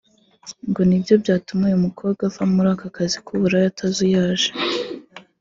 ngo nibyo byatuma uyu mukobwa ava muri aka kazi k’uburaya atazuyaje